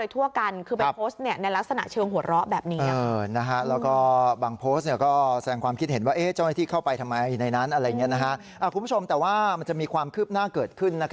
แต่ว่ามันจะมีความคืบหน้าเกิดขึ้น